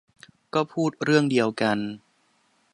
ก็พูดเรื่องเดียวกัน